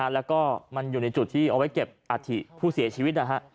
แล้วก็มันอยู่ในจุดที่เอาไว้เก็บอาถิผู้เสียชีวิตนะฮะ